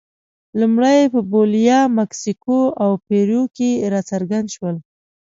لومړی په بولیویا، مکسیکو او پیرو کې راڅرګند شول.